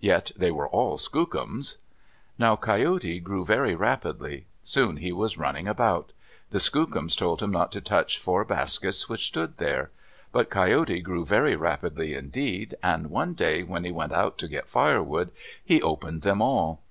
yet they were all skookums. Now Coyote grew very rapidly. Soon he was running about. The skookums told him not to touch four baskets which stood there. But Coyote grew very rapidly indeed, and one day when they went out to get firewood, he opened them all.